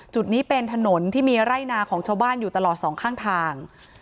จุดนี้เป็นถนนที่มีไร่นาของชาวบ้านอยู่ตลอดสองข้างทาง